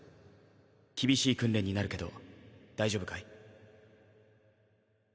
厳しい訓練になるけど大丈夫かい？